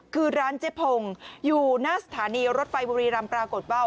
คือร้านเจ๊พงอยู่หน้าสถานีรถไฟบุรีรำปรากฏว่า